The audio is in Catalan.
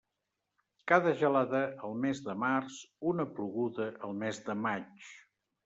Cada gelada al mes de març, una ploguda al mes de maig.